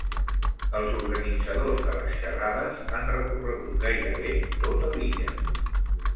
Els organitzadors de les xerrades han recorregut gairebé tota l'illa.